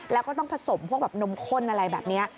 แล้วก็ต้องผสมพวกแบบนมข้นอะไรแบบนี้